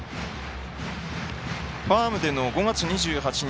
ファームでの５月２８日